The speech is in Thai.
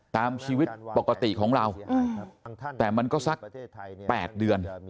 ตามชีวิตปกติของเราแต่มันก็สัก๘เดือน